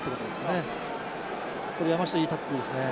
これ山下いいタックルですね。